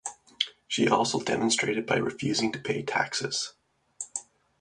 She also demonstrated by refusing to pay taxes.